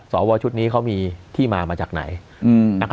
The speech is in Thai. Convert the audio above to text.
สวชุดนี้เขามีที่มามาจากไหน